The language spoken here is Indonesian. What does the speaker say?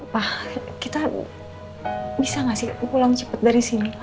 pak kita bisa gak sih pulang cepet dari sini